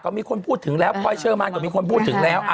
ก็มีคนพูดถึงแล้วพลอยเชอร์มานก็มีคนพูดถึงแล้ว